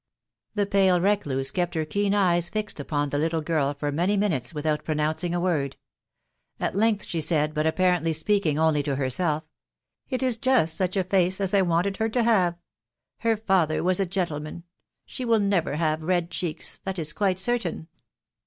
The pale recluse kept her keen eyes fixed upon the little girl for many minutes without pronouncing a word ; at length she said, but apparently speaking only to herself, —" It is just such a face as I wanted her to have .... Her father was a gentleman .... She will never have red cheeks, that is quite certain."